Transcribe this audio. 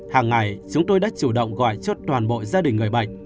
hàng ngày chúng tôi đã chủ động gọi cho toàn bộ gia đình người bệnh